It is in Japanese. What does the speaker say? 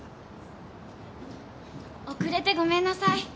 ・遅れてごめんなさい。